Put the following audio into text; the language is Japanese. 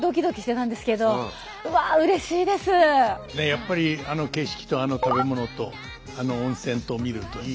やっぱりあの景色とあの食べ物とあの温泉とを見るといいなと。